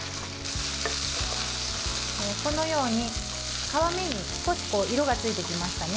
このように皮目に少し色がついてきましたね。